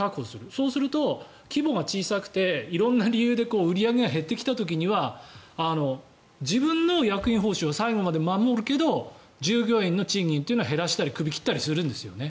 そうすると規模が小さくて色んな理由で売り上げが減ってきた時には自分の役員報酬を最後まで守るけど従業員の賃金というのは減らしたりクビを切ったりするんです。